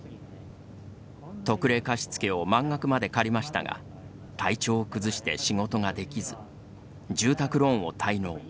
特例貸付を満額まで借りましたが体調を崩して仕事ができず住宅ローンを滞納。